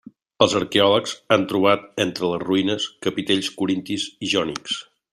Els arqueòlegs han trobat entre les ruïnes, capitells corintis i jònics.